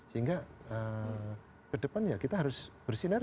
sehingga ke depannya kita harus bersinergi seluruh negara